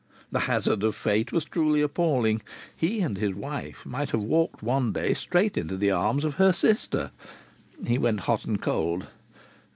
The hazard of fate was truly appalling. He and his wife might have walked one day straight into the arms of her sister! He went hot and cold.